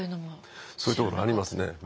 そういうところありますね